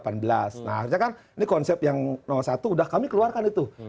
nah harusnya kan ini konsep yang satu sudah kami keluarkan itu